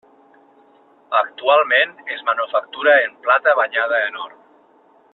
Actualment es manufactura en plata banyada en or.